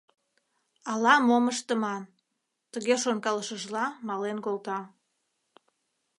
Ала-мом ыштыман, — тыге шонкалышыжла, мален колта...